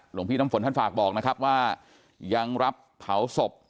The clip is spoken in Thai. หลวงพี่น้ำฝนท่านฝากบอกนะครับว่ายังรับเผาศพ